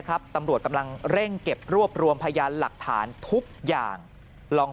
ครับตำรวจกำลังเร่งเก็บรวบรวมพยานหลักฐานทุกอย่างลอง